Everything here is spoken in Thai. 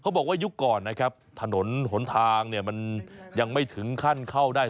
บอกว่ายุคก่อนนะครับถนนหนทางเนี่ยมันยังไม่ถึงขั้นเข้าได้